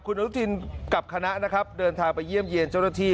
คุณอนุทินกับคณะนะครับเดินทางไปเยี่ยมเยี่ยนเจ้าหน้าที่